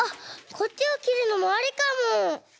こっちをきるのもありかも！